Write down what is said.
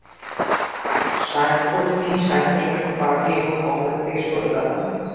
তিনি স্বায়ত্তশাসন পার্টি এবং কংগ্রেস থেকে সরে দাঁড়ান।